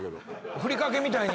ふりかけみたいに。